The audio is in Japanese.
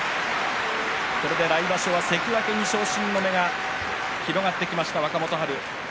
来場所は関脇に昇進の目が広がってきました、若元春。